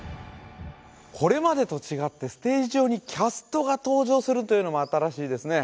これまでと違ってステージ上にキャストが登場するというのも新しいですね